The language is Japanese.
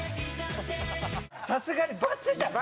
さすがに×じゃない。